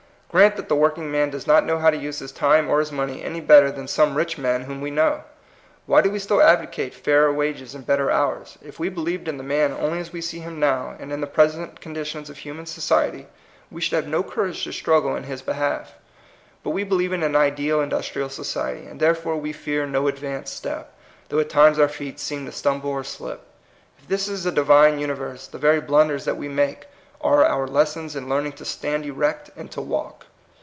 Grant that the working man does not know how to use his time or his money any better than some rich men whom we know. Why do we still advocate fairer wages and better hours? If we believed in the man only as we see him now, and in the present conditions of human society, we should have no courage to struggle in his behalf. But we believe in an ideal industrial society, and therefore we fear no advance step, though at times our feet seem to stumble or slip. If this is a Di vine universe, the very blunders that we make are our lessons in learning to stand erect and to walk.